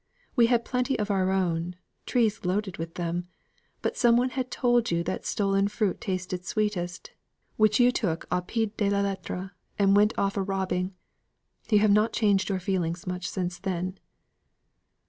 We had plenty of our own trees loaded with them; but some one had told you that stolen fruit tasted sweetest, which you took au pied de la lettre, and off you went a robbing. You have not changed your feelings much since then."